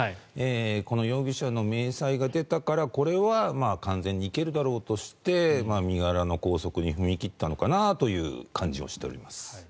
この容疑者の明細が出たからこれは完全に行けるだろうとして身柄の拘束に踏み切ったのかなという感じをしております。